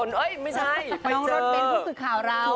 น้องรถแบนท์ผู้ศึกข่าวเรา